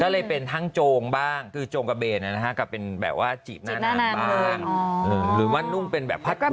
เลยเป็นทั้งโจงกะเบนกับจีบหน้าน้ำหรือว่านุ่งเป็นพัฒน์กุ้งบ้าง